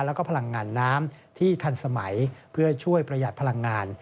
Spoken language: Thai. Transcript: แล้วก็พลังงานน้ำที่ทันสมัยเพื่อช่วยประหยัดพลังงาน